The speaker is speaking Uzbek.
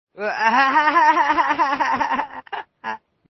Ammo, baribir, Alvasti ko‘prikning ovozi kelishi bilan «charchab» qolaman.